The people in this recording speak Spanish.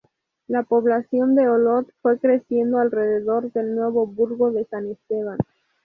La población de Olot fue creciendo alrededor del nuevo burgo de San Esteban.